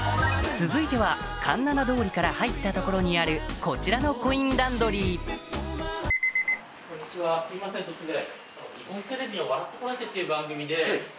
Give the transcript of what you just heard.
続いては環七通りから入った所にあるこちらのコインランドリーすいません突然。